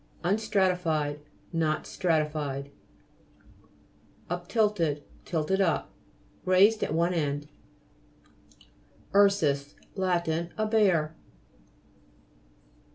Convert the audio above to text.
UNSTRATIFIED Not stratified. UPHEAVAL (p. 99). UPTILTED Tilted up ; raised at one end. URSUS Lat A bear.